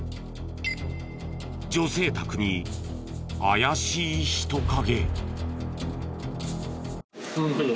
女性宅に怪しい人影。